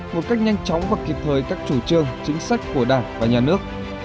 một cách nhanh chóng và kịp thời các chủ trương chính sách của đảng và nhà nước